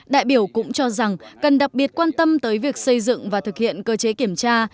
đại biểu cũng cho rằng cần đặc biệt quan tâm tới việc xây dựng và thực hiện cơ chế kiểm tra